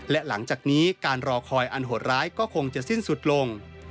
และหลังจากนี้การรอคอยอันโหดร้ายก็คงจะสิ้นสุดลง